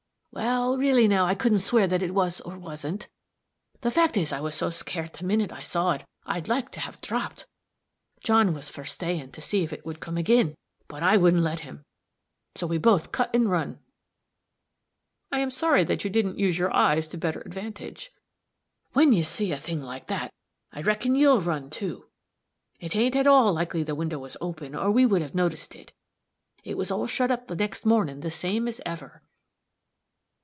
"Wal, really now, I wouldn't swear that it was, or wasn't. The fact is, I was so scaart the minit I saw it, I like to have dropped. John was for staying 'to see if it wouldn't come ag'in,' but I wouldn't let him, so we both cut and run." "I am sorry you didn't use your eyes to better advantage." "When you see a thing like that, I reckon you'll run, too. It ain't at all likely the window was open, or we would have noticed it. It was all shut up the next mornin', the same as ever."